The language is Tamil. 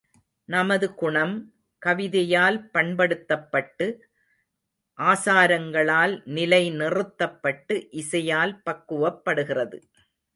நமது குணம், கவிதையால் பண்படுத்தப்பட்டு, ஆசாரங்களால் நிலை நிறுத்தப்பட்டு, இசையால் பக்குவப்படுகிறது.